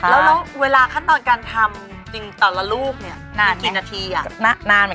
แล้วเวลาขั้นตอนการทำจริงต่อละลูกมีวิคุณนาทีอ่ะ